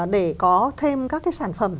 để có thêm các cái sản phẩm